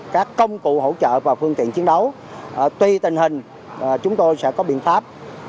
các công cụ hỗ trợ và phương tiện chiến đấu tuy tình hình chúng tôi sẽ có biện pháp